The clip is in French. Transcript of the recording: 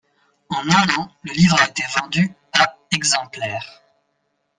En un an, le livre a été vendu à exemplaires.